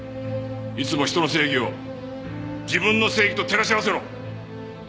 いつも人の正義を自分の正義と照らし合わせろ！